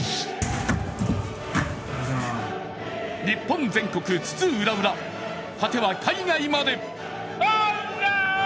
日本全国津々浦々、果ては海外まで。